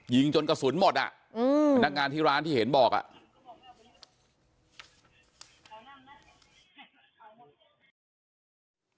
ยิงจนกระสุนหมดอ่ะอืมพนักงานที่ร้านที่เห็นบอกอ่ะ